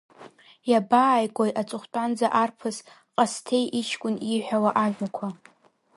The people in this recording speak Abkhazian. Иабааигои аҵыхәтәанӡа Арԥыс, Ҟасҭеи иҷкәын, ииҳәауа ажәақәа…